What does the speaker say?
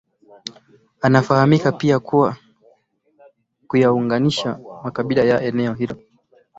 Anafahamika pia kwa kuyaunganisha makabila ya eneo hilo